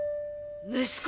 息子！